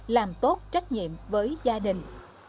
làm tốt trách nhiệm với gia đình